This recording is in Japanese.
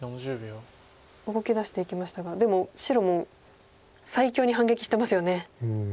動き出していきましたがでも白も最強に反撃してますよね。